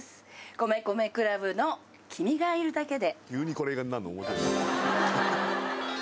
米米ＣＬＵＢの『君がいるだけで』